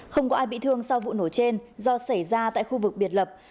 không có ai bị thương sau vụ nổ trên do xảy ra tại khu vực biệt lập